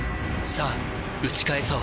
さぁ打ち返そう